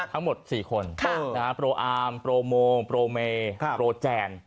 ทั้งหมด๔คนโปรอาร์มโปรโมโปรเมโปรแจน